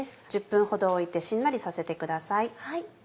１０分ほど置いてしんなりさせてください。